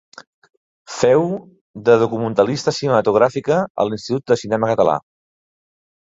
Féu de documentalista cinematogràfica a l'Institut de Cinema Català.